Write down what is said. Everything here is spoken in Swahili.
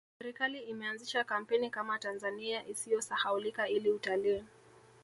serikali imeanzisha kampeni Kama tanzania isiyo sahaulika ili utalii